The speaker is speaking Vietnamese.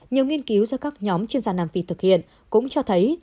nhiều nghiên cứu do các nhóm chuyên gia nam phi thực hiện cũng cho thấy